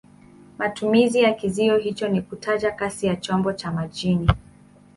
Matumizi ya kizio hicho ni kutaja kasi ya chombo cha majini.